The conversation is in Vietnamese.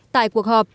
tại cuộc họp